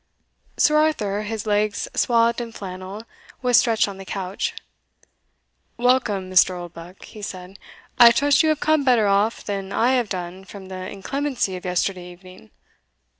Sir Arthur, his legs swathed in flannel, was stretched on the couch. "Welcome, Mr. Oldbuck," he said; "I trust you have come better off than I have done from the inclemency of yesterday evening?"